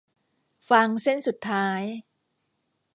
ฟางเส้นสุดท้าย